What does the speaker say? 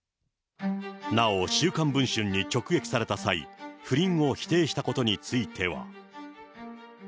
なお週刊文春に直撃された際、不倫を否定したことについては。